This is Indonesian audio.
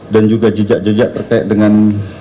dan juga jejak jejak terkait dengan